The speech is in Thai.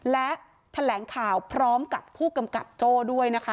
และแถลงข่าวพร้อมกับผู้กำกับโจ้ด้วยนะคะ